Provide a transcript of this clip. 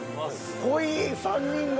濃い３人が。